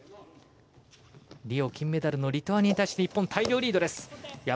リオ金メダルのリトアニアに対して日本、大量リードです。